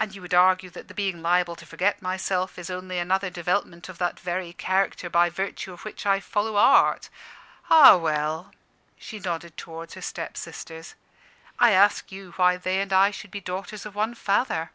"And you would argue that the being liable to forget myself is only another development of that very character by virtue of which I follow Art. Ah, well" she nodded towards her stepsisters "I ask you why they and I should be daughters of one father?"